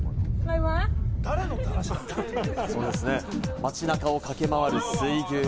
街中を駆け回る水牛。